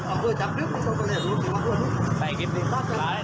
โอ้โห